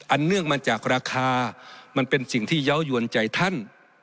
เนื่องมาจากราคามันเป็นสิ่งที่เยาวยวนใจท่าน